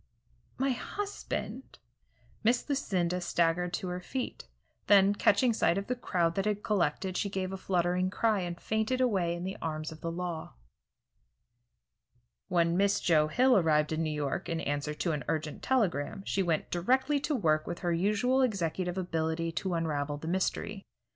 "My husband " Miss Lucinda staggered to her feet, then, catching sight of the crowd that had collected, she gave a fluttering cry and fainted away in the arms of the law. When Miss Joe Hill arrived in New York, in answer to an urgent telegram, she went directly to work with her usual executive ability to unravel the mystery.